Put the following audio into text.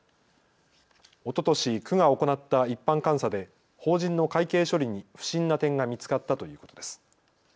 おととし区が行った一般監査で法人の会計処理に不審な点が見つかったということです。